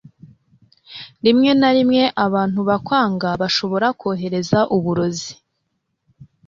rimwe na rimwe, abantu bakwanga bashobora kohereza uburozi